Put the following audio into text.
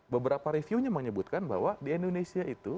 beberapa reviewnya menyebutkan bahwa di indonesia itu